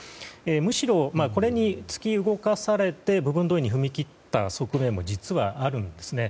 むしろこれに突き動かされて部分動員に踏み切った側面も実はあるんですね。